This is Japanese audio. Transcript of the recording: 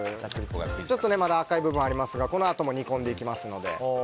ちょっとまだ赤い部分がありますがこのあとも煮込んでいきますので。